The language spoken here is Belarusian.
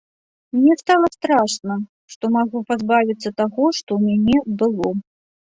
Мне стала страшна, што магу пазбавіцца таго, што ў мяне было.